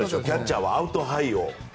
キャッチャーはアウトハイの。